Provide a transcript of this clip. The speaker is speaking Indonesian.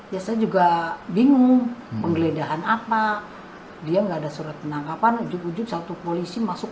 ya saya juga bingung penggeledahan apa dia enggak ada surat penangkapan wujud ujug satu polisi masuk